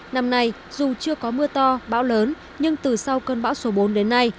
năm nay dù chưa có mưa to bão lớn nhưng từ sau cơn bão số bốn đến nay